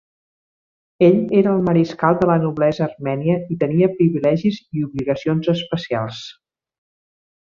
Ell era el mariscal de la noblesa armènia i tenia privilegis i obligacions especials.